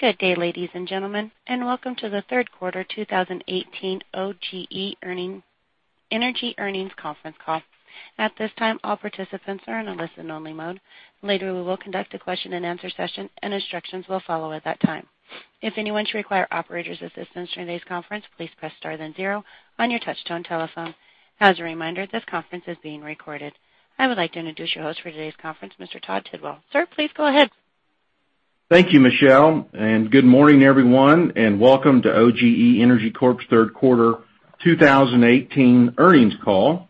Good day, ladies and gentlemen, and welcome to the third quarter 2018 OGE Energy Earnings Conference Call. At this time, all participants are in a listen only mode. Later, we will conduct a question and answer session, and instructions will follow at that time. If anyone should require operator's assistance during today's conference, please press star then zero on your touch-tone telephone. As a reminder, this conference is being recorded. I would like to introduce your host for today's conference, Mr. Todd Tidwell. Sir, please go ahead. Thank you, Michelle. Good morning, everyone, and welcome to OGE Energy Corp's third quarter 2018 earnings call.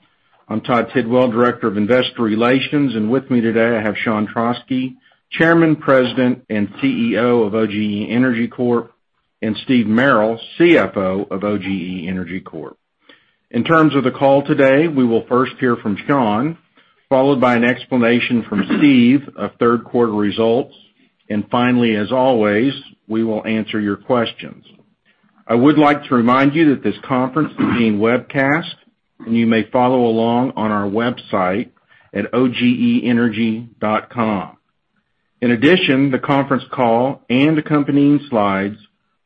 I'm Todd Tidwell, Director of Investor Relations, and with me today, I have Sean Trauschke, Chairman, President, and CEO of OGE Energy Corp, and Steve Merrill, CFO of OGE Energy Corp. In terms of the call today, we will first hear from Sean, followed by an explanation from Steve of third quarter results, and finally, as always, we will answer your questions. I would like to remind you that this conference is being webcast, and you may follow along on our website at ogeenergy.com. The conference call and accompanying slides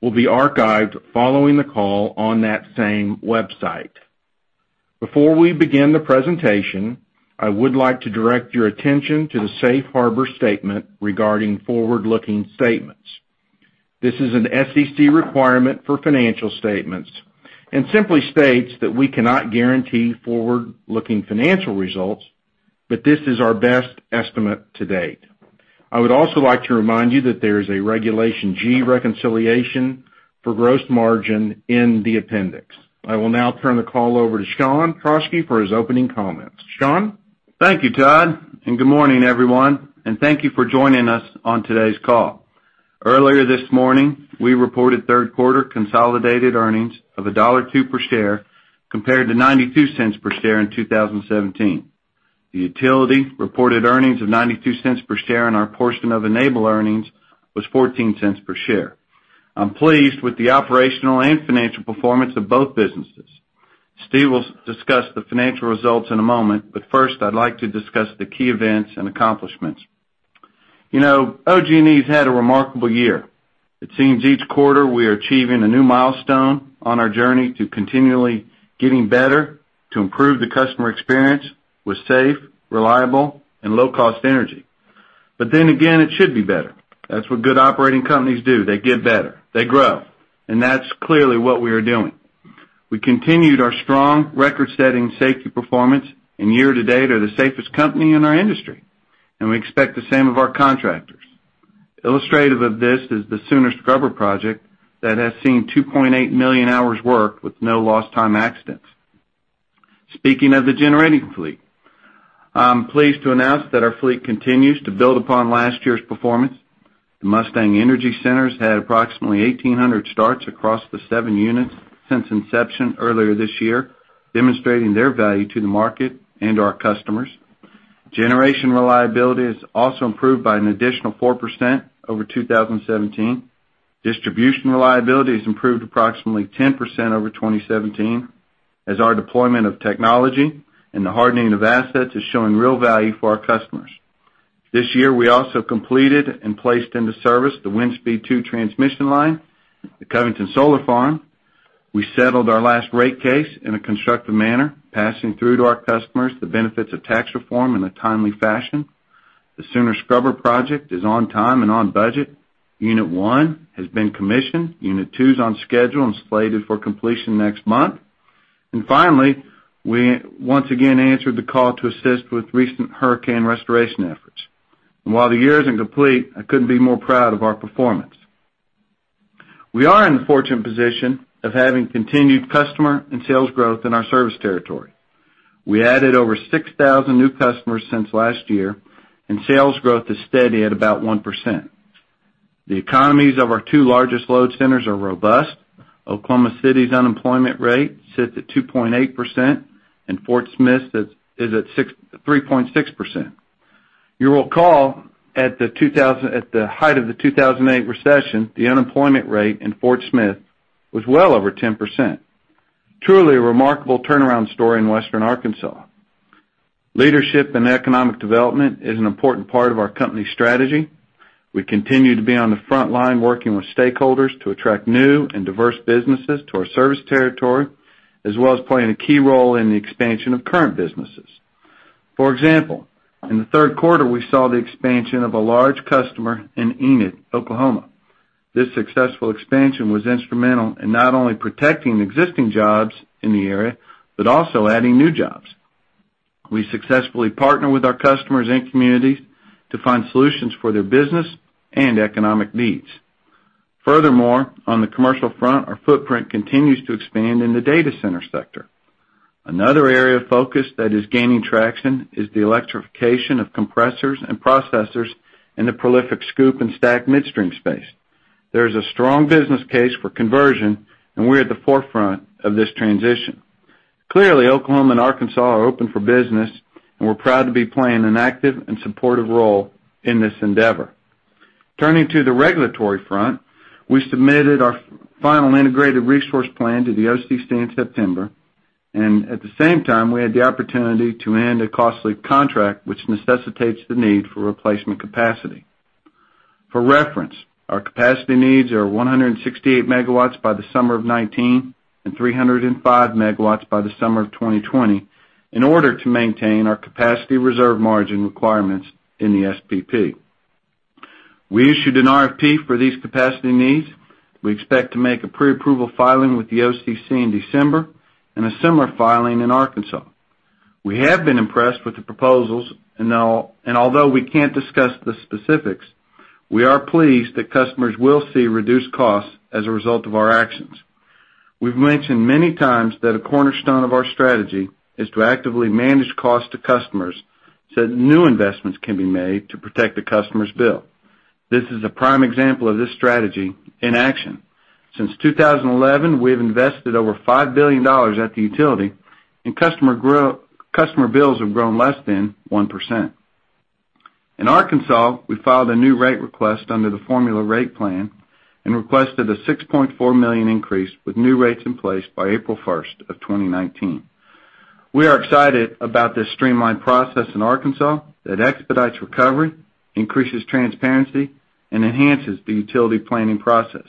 will be archived following the call on that same website. Before we begin the presentation, I would like to direct your attention to the safe harbor statement regarding forward-looking statements. This is an SEC requirement for financial statements and simply states that we cannot guarantee forward-looking financial results, but this is our best estimate to date. I would also like to remind you that there is a Regulation G reconciliation for gross margin in the appendix. I will now turn the call over to Sean Trauschke for his opening comments. Sean? Thank you, Todd. Good morning, everyone, and thank you for joining us on today's call. Earlier this morning, we reported third-quarter consolidated earnings of $1.02 per share compared to $0.92 per share in 2017. The utility reported earnings of $0.92 per share and our portion of Enable earnings was $0.14 per share. I'm pleased with the operational and financial performance of both businesses. Steve will discuss the financial results in a moment, but first, I'd like to discuss the key events and accomplishments. OGE's had a remarkable year. It seems each quarter we are achieving a new milestone on our journey to continually getting better to improve the customer experience with safe, reliable, and low-cost energy. It should be better. That's what good operating companies do. They get better. They grow. That's clearly what we are doing. We continued our strong record-setting safety performance and year-to-date are the safest company in our industry, and we expect the same of our contractors. Illustrative of this is the Sooner Scrubber project that has seen 2.8 million hours worked with no lost time accidents. Speaking of the generating fleet, I'm pleased to announce that our fleet continues to build upon last year's performance. The Mustang Energy Center has had approximately 1,800 starts across the 7 units since inception earlier this year, demonstrating their value to the market and our customers. Generation reliability has also improved by an additional 4% over 2017. Distribution reliability has improved approximately 10% over 2017 as our deployment of technology and the hardening of assets is showing real value for our customers. This year, we also completed and placed into service the Windspeed II transmission line, the Covington Solar Farm. We settled our last rate case in a constructive manner, passing through to our customers the benefits of Tax Reform in a timely fashion. The Sooner Scrubber project is on time and on budget. Unit 1 has been commissioned, Unit 2's on schedule and slated for completion next month. Finally, we once again answered the call to assist with recent hurricane restoration efforts. While the year isn't complete, I couldn't be more proud of our performance. We are in the fortunate position of having continued customer and sales growth in our service territory. We added over 6,000 new customers since last year, and sales growth is steady at about 1%. The economies of our two largest load centers are robust. Oklahoma City's unemployment rate sits at 2.8%, and Fort Smith is at 3.6%. You will recall at the height of the 2008 recession, the unemployment rate in Fort Smith was well over 10%. Truly a remarkable turnaround story in Western Arkansas. Leadership and economic development is an important part of our company strategy. We continue to be on the front line working with stakeholders to attract new and diverse businesses to our service territory, as well as playing a key role in the expansion of current businesses. For example, in the third quarter, we saw the expansion of a large customer in Enid, Oklahoma. This successful expansion was instrumental in not only protecting existing jobs in the area, but also adding new jobs. We successfully partner with our customers and communities to find solutions for their business and economic needs. Furthermore, on the commercial front, our footprint continues to expand in the data center sector. Another area of focus that is gaining traction is the electrification of compressors and processors in the prolific SCOOP and STACK midstream space. There is a strong business case for conversion, and we're at the forefront of this transition. Clearly, Oklahoma and Arkansas are open for business, and we're proud to be playing an active and supportive role in this endeavor. Turning to the regulatory front, we submitted our final integrated resource plan to the OCC in September. At the same time, we had the opportunity to end a costly contract which necessitates the need for replacement capacity. For reference, our capacity needs are 168 MW by the summer of 2019, and 305 MW by the summer of 2020, in order to maintain our capacity reserve margin requirements in the SPP. We issued an RFP for these capacity needs. We expect to make a pre-approval filing with the OCC in December, and a similar filing in Arkansas. We have been impressed with the proposals, and although we can't discuss the specifics, we are pleased that customers will see reduced costs as a result of our actions. We've mentioned many times that a cornerstone of our strategy is to actively manage cost to customers, so that new investments can be made to protect the customer's bill. This is a prime example of this strategy in action. Since 2011, we have invested over $5 billion at the utility, and customer bills have grown less than 1%. In Arkansas, we filed a new rate request under the formula rate plan and requested a $6.4 million increase, with new rates in place by April 1st of 2019. We are excited about this streamlined process in Arkansas that expedites recovery, increases transparency, and enhances the utility planning process.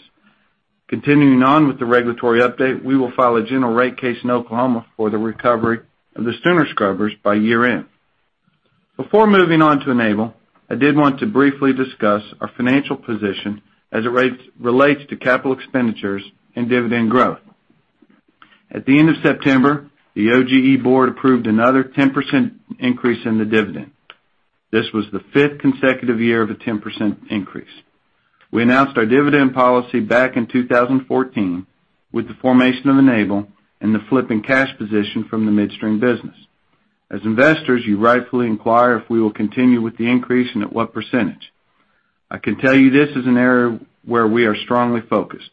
Continuing on with the regulatory update, we will file a general rate case in Oklahoma for the recovery of the Sooner Scrubbers by year-end. Before moving on to Enable, I did want to briefly discuss our financial position as it relates to capital expenditures and dividend growth. At the end of September, the OGE board approved another 10% increase in the dividend. This was the fifth consecutive year of a 10% increase. We announced our dividend policy back in 2014 with the formation of Enable and the flip in cash position from the midstream business. As investors, you rightfully inquire if we will continue with the increase and at what percentage. I can tell you this is an area where we are strongly focused.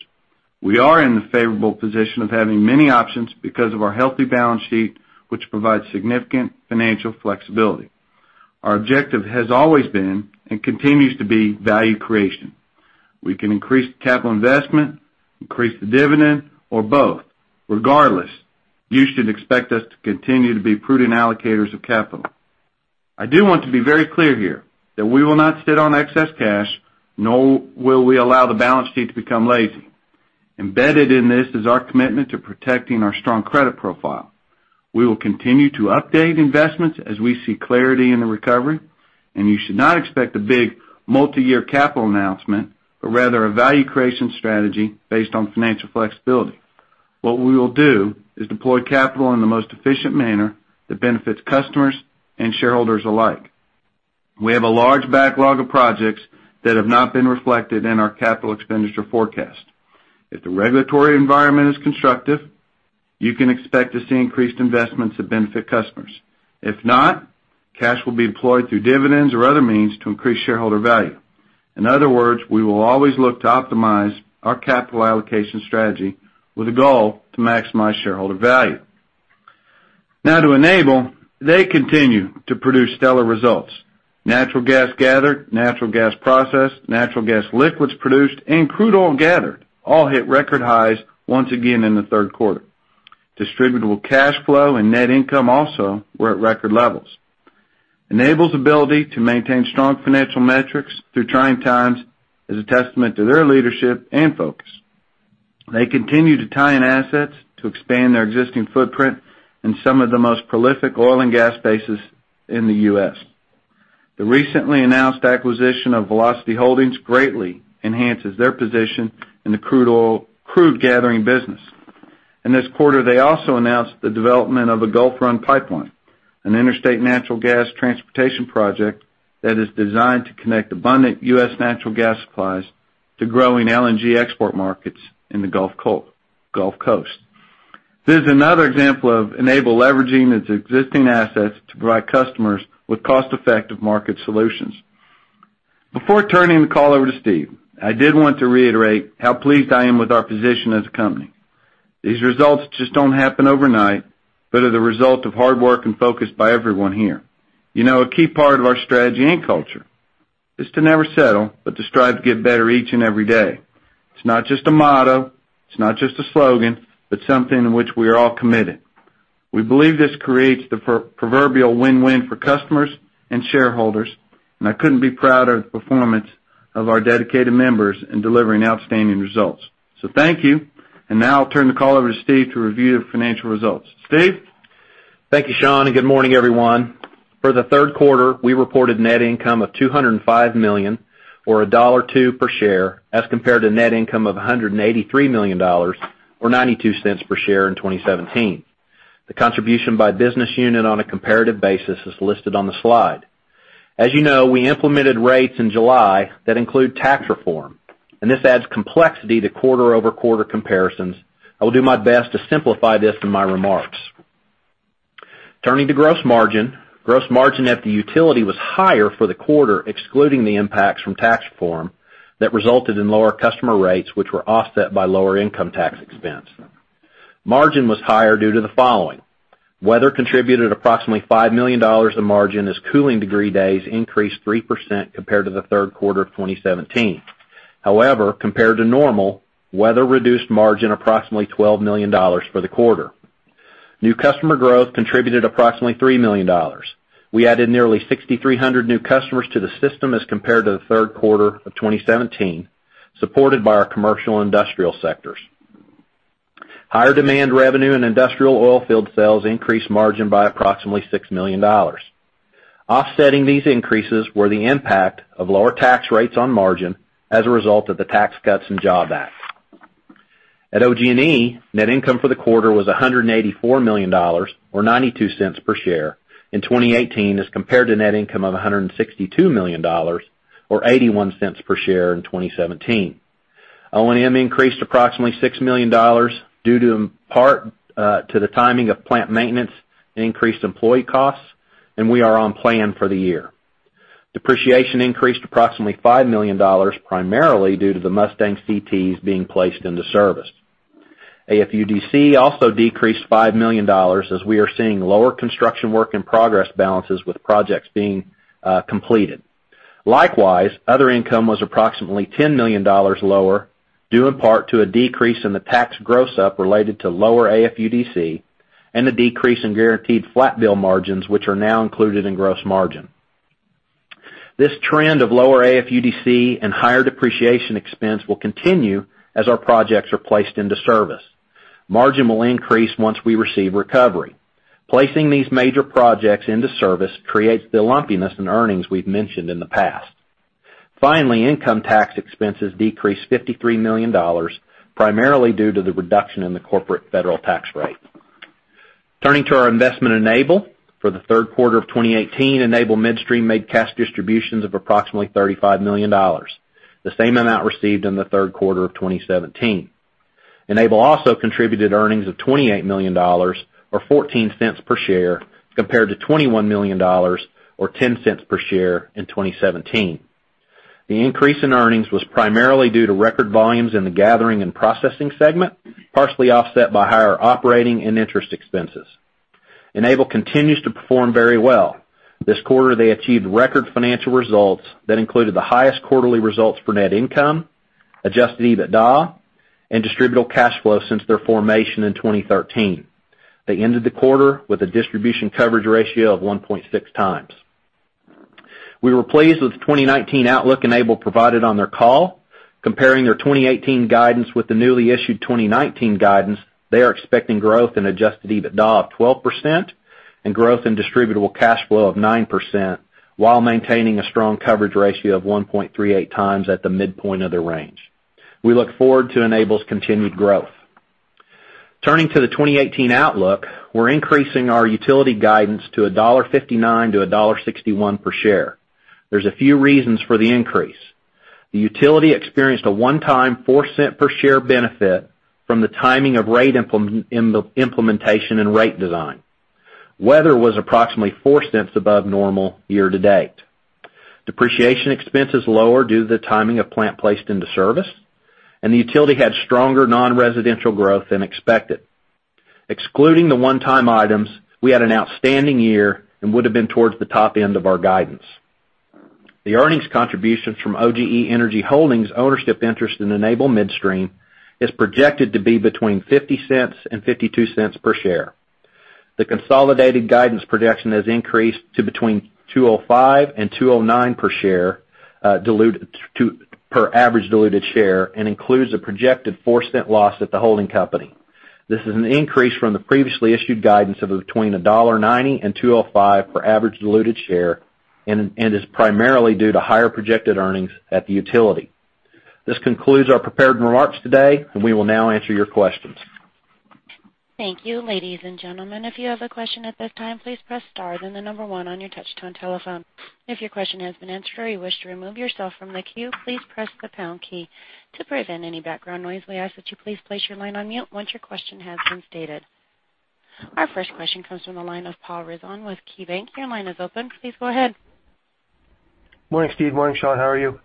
We are in the favorable position of having many options because of our healthy balance sheet, which provides significant financial flexibility. Our objective has always been, and continues to be, value creation. We can increase the capital investment, increase the dividend, or both. Regardless, you should expect us to continue to be prudent allocators of capital. I do want to be very clear here that we will not sit on excess cash, nor will we allow the balance sheet to become lazy. Embedded in this is our commitment to protecting our strong credit profile. We will continue to update investments as we see clarity in the recovery, and you should not expect a big multi-year capital announcement, but rather a value creation strategy based on financial flexibility. What we will do is deploy capital in the most efficient manner that benefits customers and shareholders alike. We have a large backlog of projects that have not been reflected in our capital expenditure forecast. If the regulatory environment is constructive, you can expect to see increased investments that benefit customers. If not, cash will be deployed through dividends or other means to increase shareholder value. In other words, we will always look to optimize our capital allocation strategy with a goal to maximize shareholder value. Now to Enable. They continue to produce stellar results. Natural gas gathered, natural gas processed, natural gas liquids produced, and crude oil gathered all hit record highs once again in the third quarter. Distributable cash flow and net income also were at record levels. Enable's ability to maintain strong financial metrics through trying times is a testament to their leadership and focus. They continue to tie in assets to expand their existing footprint in some of the most prolific oil and gas spaces in the U.S. The recently announced acquisition of Velocity Holdings greatly enhances their position in the crude gathering business. In this quarter, they also announced the development of a Gulf Run pipeline, an interstate natural gas transportation project that is designed to connect abundant U.S. natural gas supplies to growing LNG export markets in the Gulf Coast. This is another example of Enable leveraging its existing assets to provide customers with cost-effective market solutions. Before turning the call over to Steve, I did want to reiterate how pleased I am with our position as a company. These results just don't happen overnight, but are the result of hard work and focus by everyone here. You know, a key part of our strategy and culture is to never settle, but to strive to get better each and every day. It's not just a motto, it's not just a slogan, but something in which we are all committed. We believe this creates the proverbial win-win for customers and shareholders. Thank you. Now I'll turn the call over to Steve to review the financial results. Steve? Thank you, Sean. Good morning, everyone. For the third quarter, we reported net income of $205 million, or $1.02 per share, as compared to net income of $183 million, or $0.92 per share in 2017. The contribution by business unit on a comparative basis is listed on the slide. As you know, we implemented rates in July that include tax reform, and this adds complexity to quarter-over-quarter comparisons. I will do my best to simplify this in my remarks. Turning to gross margin. Gross margin at the utility was higher for the quarter, excluding the impacts from tax reform that resulted in lower customer rates, which were offset by lower income tax expense. Margin was higher due to the following. Weather contributed approximately $5 million in margin as cooling degree days increased 3% compared to the third quarter of 2017. However, compared to normal, weather reduced margin approximately $12 million for the quarter. New customer growth contributed approximately $3 million. We added nearly 6,300 new customers to the system as compared to the third quarter of 2017, supported by our commercial industrial sectors. Higher demand revenue and industrial oil field sales increased margin by approximately $6 million. Offsetting these increases were the impact of lower tax rates on margin as a result of the Tax Cuts and Jobs Act. At OG&E, net income for the quarter was $184 million, or $0.92 per share in 2018 as compared to net income of $162 million, or $0.81 per share in 2017. O&M increased approximately $6 million due in part to the timing of plant maintenance and increased employee costs, and we are on plan for the year. Depreciation increased approximately $5 million, primarily due to the Mustang CTs being placed into service. AFUDC also decreased $5 million as we are seeing lower construction work and progress balances with projects being completed. Likewise, other income was approximately $10 million lower, due in part to a decrease in the tax gross-up related to lower AFUDC and a decrease in Guaranteed Flat Bill margins, which are now included in gross margin. This trend of lower AFUDC and higher depreciation expense will continue as our projects are placed into service. Margin will increase once we receive recovery. Placing these major projects into service creates the lumpiness in earnings we've mentioned in the past. Income tax expenses decreased $53 million, primarily due to the reduction in the corporate federal tax rate. Turning to our investment Enable. For the third quarter of 2018, Enable Midstream made cash distributions of approximately $35 million, the same amount received in the third quarter of 2017. Enable also contributed earnings of $28 million, or $0.14 per share, compared to $21 million or $0.10 per share in 2017. The increase in earnings was primarily due to record volumes in the gathering and processing segment, partially offset by higher operating and interest expenses. Enable continues to perform very well. This quarter, they achieved record financial results that included the highest quarterly results for net income, adjusted EBITDA, and distributable cash flow since their formation in 2013. They ended the quarter with a distribution coverage ratio of 1.6 times. We were pleased with the 2019 outlook Enable provided on their call. Comparing their 2018 guidance with the newly issued 2019 guidance, they are expecting growth in adjusted EBITDA of 12% and growth in distributable cash flow of 9%, while maintaining a strong coverage ratio of 1.38 times at the midpoint of their range. We look forward to Enable's continued growth. Turning to the 2018 outlook, we're increasing our utility guidance to $1.59-$1.61 per share. There's a few reasons for the increase. The utility experienced a one-time $0.04 per share benefit from the timing of rate implementation and rate design. Weather was approximately $0.04 above normal year to date. Depreciation expense is lower due to the timing of plant placed into service, and the utility had stronger non-residential growth than expected. Excluding the one-time items, we had an outstanding year and would have been towards the top end of our guidance. The earnings contributions from OGE Energy Holdings' ownership interest in Enable Midstream is projected to be between $0.50 and $0.52 per share. The consolidated guidance projection has increased to between $2.05-$2.09 per average diluted share and includes a projected $0.04 loss at the holding company. This is an increase from the previously issued guidance of between $1.90-$2.05 per average diluted share and is primarily due to higher projected earnings at the utility. This concludes our prepared remarks today, and we will now answer your questions. Thank you. Ladies and gentlemen, if you have a question at this time, please press star, then the number 1 on your touchtone telephone. If your question has been answered or you wish to remove yourself from the queue, please press the pound key. To prevent any background noise, we ask that you please place your line on mute once your question has been stated. Our first question comes from the line of Paul Ridzon with KeyBank. Your line is open. Please go ahead. Morning, Steve. Morning, Sean. How are you?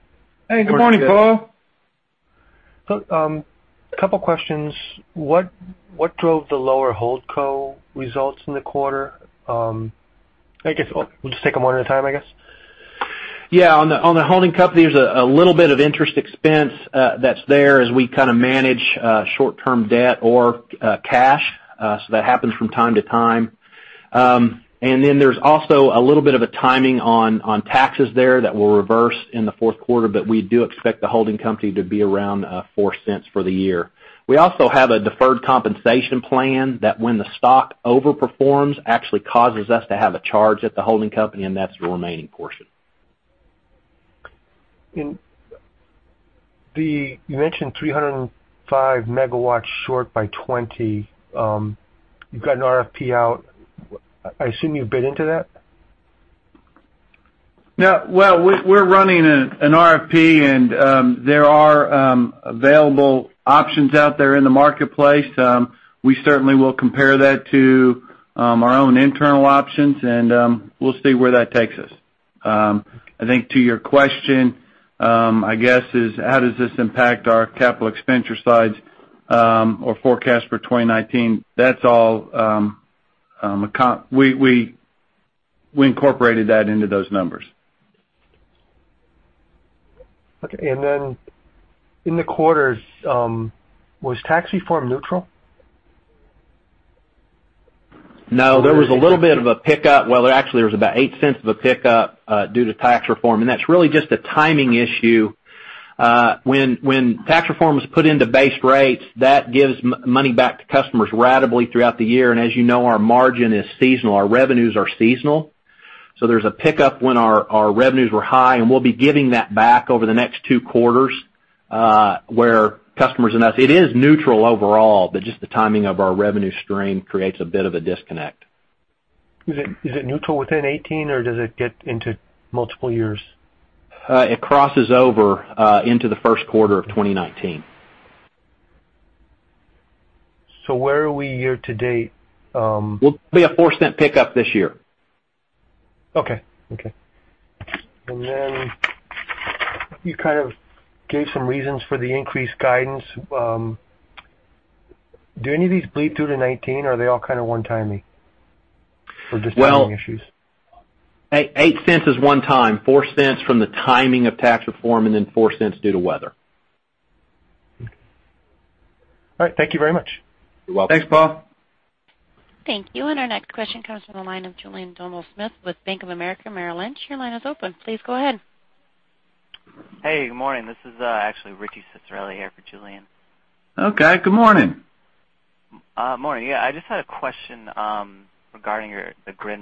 Hey, good morning, Paul. A couple questions. What drove the lower holdco results in the quarter? I guess we'll just take them one at a time, I guess. Yeah. On the holding company, there's a little bit of interest expense that's there as we kind of manage short-term debt or cash. That happens from time to time. There's also a little bit of a timing on taxes there that will reverse in the fourth quarter, but we do expect the holding company to be around $0.04 for the year. We also have a deferred compensation plan that when the stock overperforms, actually causes us to have a charge at the holding company, and that's the remaining portion. You mentioned 305 megawatts short by 2020. You've got an RFP out. I assume you've bid into that? Well, we're running an RFP, and there are available options out there in the marketplace. We certainly will compare that to our own internal options, and we'll see where that takes us. I think to your question, I guess, is how does this impact our capital expenditure slides or forecast for 2019? We We incorporated that into those numbers. Okay. Then in the quarters, was tax reform neutral? No. There was a little bit of a pickup. Well, actually, there was about $0.08 of a pickup, due to tax reform. That's really just a timing issue. When tax reform was put into base rates, that gives money back to customers ratably throughout the year. As you know, our margin is seasonal. Our revenues are seasonal. There's a pickup when our revenues were high, and we'll be giving that back over the next two quarters, where customers and us, it is neutral overall, but just the timing of our revenue stream creates a bit of a disconnect. Is it neutral within 2018, or does it get into multiple years? It crosses over into the first quarter of 2019. Where are we year to date? We'll be a $0.04 pickup this year. You kind of gave some reasons for the increased guidance. Do any of these bleed through to 2019, or are they all kind of one-time or just timing issues? Eight cents is one-time. $0.04 from the timing of Tax Reform and $0.04 due to weather. Okay. All right. Thank you very much. You're welcome. Thanks, Paul. Thank you. Our next question comes from the line of Julien Dumoulin-Smith with Bank of America, Merrill Lynch. Your line is open. Please go ahead. Hey, good morning. This is actually Richard Ciciarelli here for Julian. Okay. Good morning. Morning. Yeah, I just had a question, regarding the grid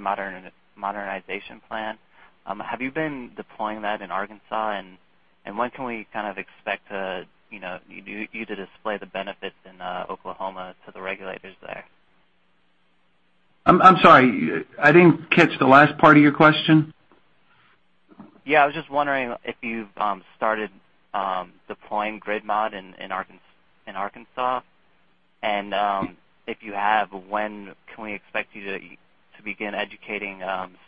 modernization plan. Have you been deploying that in Arkansas? When can we kind of expect you to display the benefits in Oklahoma to the regulators there? I'm sorry. I didn't catch the last part of your question. Yeah, I was just wondering if you've started deploying grid mod in Arkansas. If you have, when can we expect you to begin educating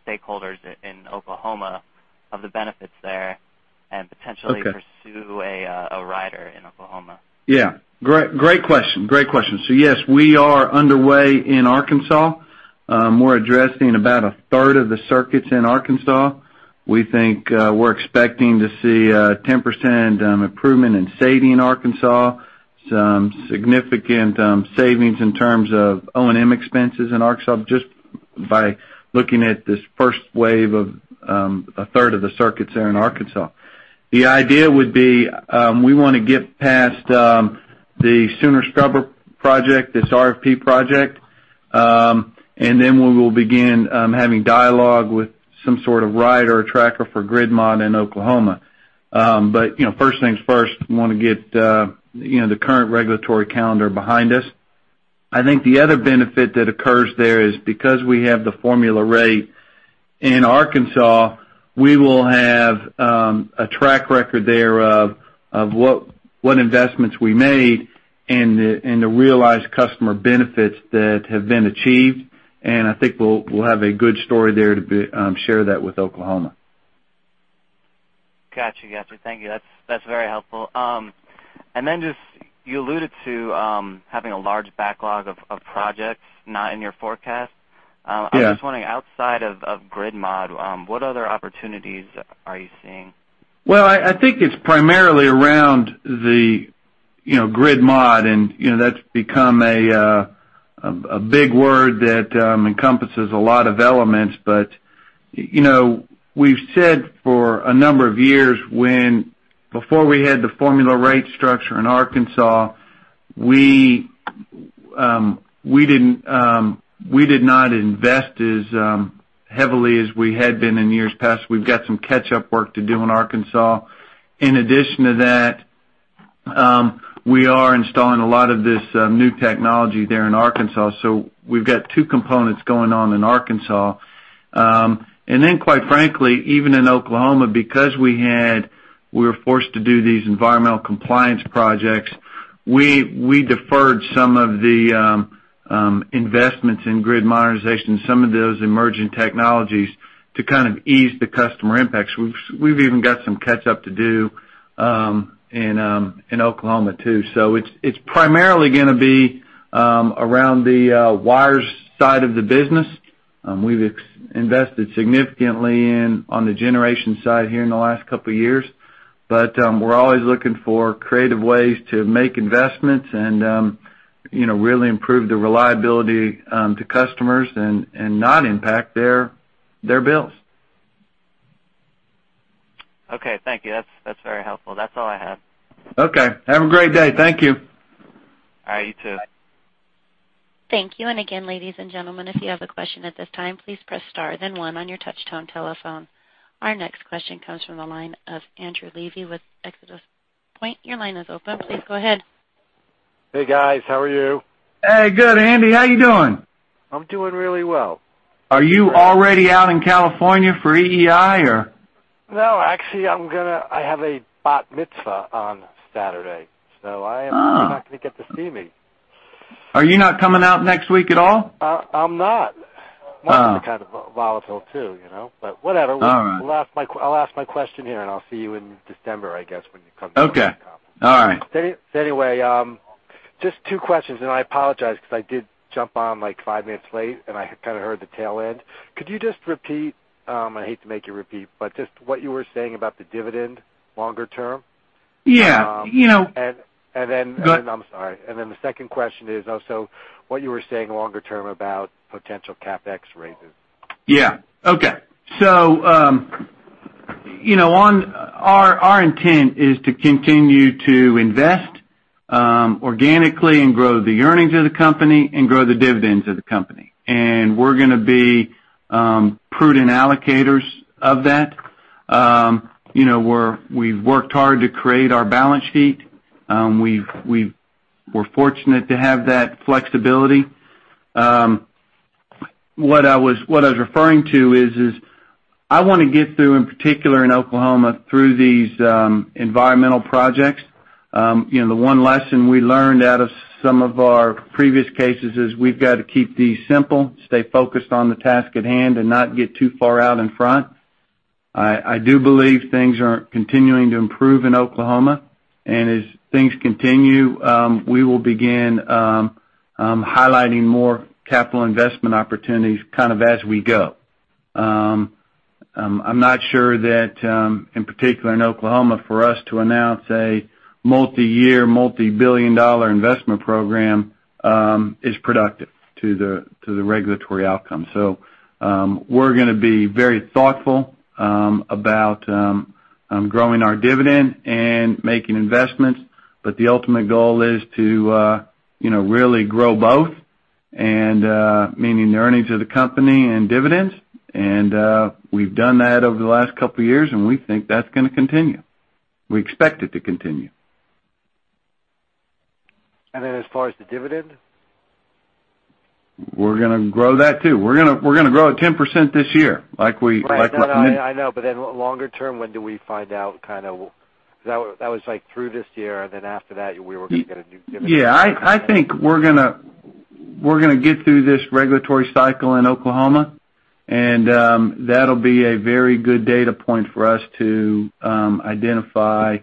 stakeholders in Oklahoma of the benefits there and potentially- Okay. -pursue a rider in Oklahoma? Yeah. Great question. Yes, we are underway in Arkansas. We're addressing about a third of the circuits in Arkansas. We think we're expecting to see a 10% improvement in saving Arkansas, some significant savings in terms of O&M expenses in Arkansas just by looking at this first wave of a third of the circuits there in Arkansas. The idea would be, we want to get past the Sooner Scrubber project, this RFP project, then we will begin having dialogue with some sort of rider or tracker for grid mod in Oklahoma. First things first, we want to get the current regulatory calendar behind us. I think the other benefit that occurs there is because we have the formula rate in Arkansas, we will have a track record there of what investments we made and the realized customer benefits that have been achieved. I think we'll have a good story there to share that with Oklahoma. Got you. Thank you. That's very helpful. Just, you alluded to having a large backlog of projects not in your forecast. Yeah. I'm just wondering, outside of grid mod, what other opportunities are you seeing? I think it's primarily around the grid mod, That's become a big word that encompasses a lot of elements. We've said for a number of years when before we had the formula rate structure in Arkansas, we did not invest as heavily as we had been in years past. We've got some catch-up work to do in Arkansas. In addition to that, we are installing a lot of this new technology there in Arkansas. We've got two components going on in Arkansas. Quite frankly, even in Oklahoma, because we were forced to do these environmental compliance projects, we deferred some of the investments in grid modernization, some of those emerging technologies to kind of ease the customer impacts. We've even got some catch up to do in Oklahoma too. It's primarily going to be around the wires side of the business. We've invested significantly in on the generation side here in the last couple of years. We're always looking for creative ways to make investments and really improve the reliability to customers and not impact their bills. Okay. Thank you. That's very helpful. That's all I have. Okay. Have a great day. Thank you. All right. You too. Thank you. Again, ladies and gentlemen, if you have a question at this time, please press star then one on your touch tone telephone. Our next question comes from the line of Andrew Levy with ExodusPoint. Your line is open. Please go ahead. Hey, guys. How are you? Hey, good, Andy. How are you doing? I'm doing really well. Are you already out in California for EEI or? No, actually, I have a bat mitzvah on Saturday. You're not going to get to see me. Are you not coming out next week at all? I'm not. Oh. Markets are kind of volatile too. Whatever. All right. I'll ask my question here, and I'll see you in December, I guess, when you come to California. Okay. All right. Anyway, just two questions, and I apologize because I did jump on five minutes late, and I heard the tail end. Could you just repeat, I hate to make you repeat, but just what you were saying about the dividend longer term? Yeah. I'm sorry. The second question is also what you were saying longer term about potential CapEx raises. Our intent is to continue to invest organically and grow the earnings of the company and grow the dividends of the company. We're going to be prudent allocators of that. We've worked hard to create our balance sheet. We're fortunate to have that flexibility. What I was referring to is, I want to get through, in particular in Oklahoma, through these environmental projects. The one lesson we learned out of some of our previous cases is we've got to keep these simple, stay focused on the task at hand, and not get too far out in front. I do believe things are continuing to improve in Oklahoma, and as things continue, we will begin highlighting more capital investment opportunities as we go. I'm not sure that, in particular in Oklahoma, for us to announce a multi-year, multi-billion-dollar investment program is productive to the regulatory outcome. We're going to be very thoughtful about growing our dividend and making investments, but the ultimate goal is to really grow both, meaning the earnings of the company and dividends. We've done that over the last couple of years, and we think that's going to continue. We expect it to continue. As far as the dividend? We're going to grow that, too. We're going to grow it 10% this year. Right. No, I know. Longer term, when do we find out? Because that was through this year, and then after that, we were going to get a new dividend. Yeah, I think we're going to get through this regulatory cycle in Oklahoma, and that'll be a very good data point for us to identify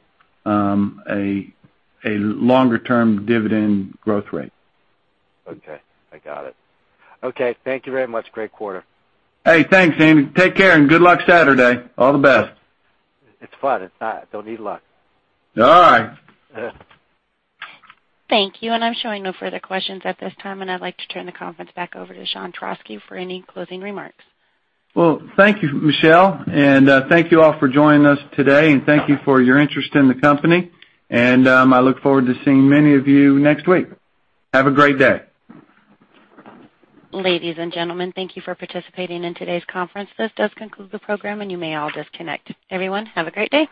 a longer-term dividend growth rate. Okay. I got it. Okay. Thank you very much. Great quarter. Hey, thanks, Andy. Take care, and good luck Saturday. All the best. It's fun. It's not. Don't need luck. All right. Thank you. I'm showing no further questions at this time, and I'd like to turn the conference back over to Sean Trauschke for any closing remarks. Well, thank you, Michelle. Thank you all for joining us today, and thank you for your interest in the company. I look forward to seeing many of you next week. Have a great day. Ladies and gentlemen, thank you for participating in today's conference. This does conclude the program, and you may all disconnect. Everyone, have a great day.